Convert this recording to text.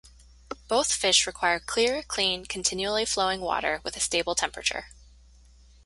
Both fish require clear, clean, continually flowing water with a stable temperature.